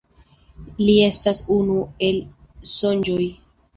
Li estas unu el Sonĝoj.